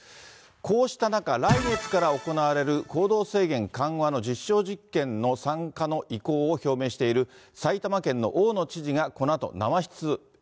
こうした中、来月から行われる行動制限緩和の実証実験の参加の意向を表明している埼玉県の大野知事がこのあと生出演。